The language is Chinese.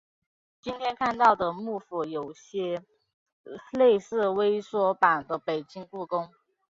今天看到的木府有些类似微缩版的北京故宫。